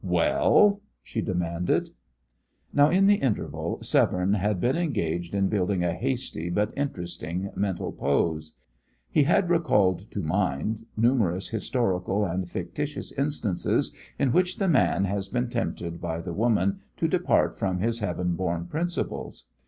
"Well!" she demanded. Now, in the interval, Severne had been engaged in building a hasty but interesting mental pose. He had recalled to mind numerous historical and fictitious instances in which the man has been tempted by the woman to depart from his heaven born principles.